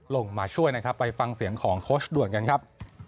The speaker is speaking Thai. ลงมาช่วยนะครับไปฟังเสียงของโค้ชด่วนกันครับ